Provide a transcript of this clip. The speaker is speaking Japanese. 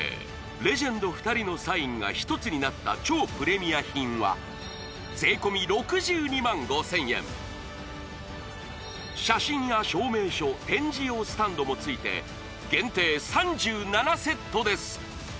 レジェンド２人のサインが１つになった超プレミア品は税込６２万５０００円写真や証明書展示用スタンドもついて限定３７セットです